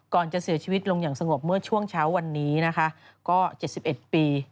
ก่อนจะเสียชีวิตลงอย่างสงบเมื่อช่วงเช้าวันนี้นะคะก็๗๑ปี